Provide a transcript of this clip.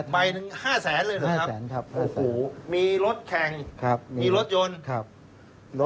ใบหนึ่ง๕แสนเลยเหรอครับมีรถแข่งมีรถยนต์ครับครับ